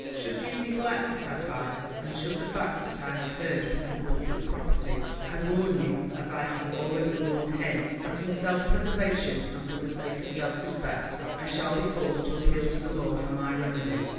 Should you neglect this advice, and should the facts that I have heard become public property, I warn you, as I have already warned him, that in self preservation and for the sake of self respect, I shall be forced to appeal to the law for my remedy.